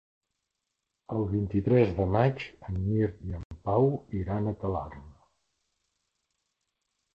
El vint-i-tres de maig en Mirt i en Pau iran a Talarn.